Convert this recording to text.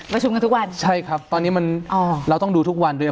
ประชุมกันทุกวันใช่ครับตอนนี้มันอ๋อเราต้องดูทุกวันด้วย